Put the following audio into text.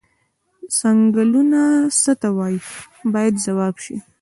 څنګلونه څه ته وایي باید ځواب شي.